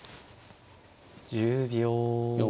１０秒。